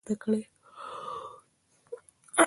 • د ډبرو سکرو کارولو روغتیایي ستونزې رامنځته کړې.